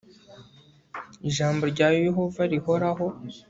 ijambo rya yehova rihoraho